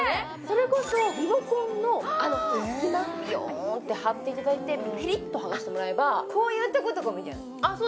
それこそリモコンのあの隙間びよーんって貼っていただいてペリッと剥がしてもらえばこういうとことかもいいんじゃない？